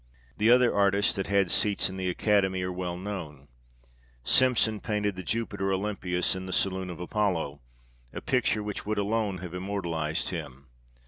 The other artists that had seats in the academy are well known : Simpson painted the Jupiter Olympius in the saloon of Apollo, a picture which would alone have immortalised him.